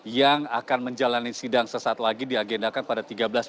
yang akan menjalani sidang sesaat lagi di agendakan pada tiga belas tiga puluh